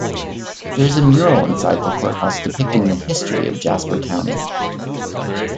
There is a mural inside the courthouse depicting the history of Jasper County.